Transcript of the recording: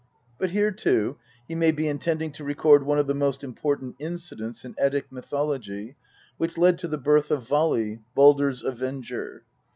But here, too, he may be intending to record one of the most important incidents in Eddie mythology, which led to the birth of Vali, Baldr's avenger.